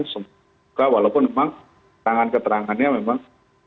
semoga walaupun memang tangan keterangannya memang